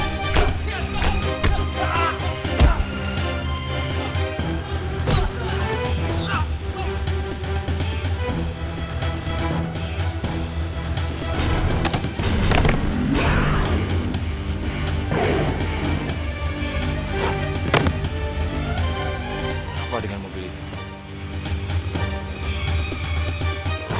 kenapa dengan mobil itu